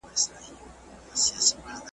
په دامونو کي مرغان چي بندېدله .